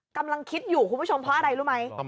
กำลังคิดอยู่คุณผู้ชมเพราะอะไรรู้ไหม